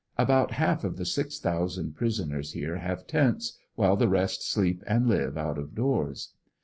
About half of the six thousand prisoners here have tents while the rest sleep and live out of doors.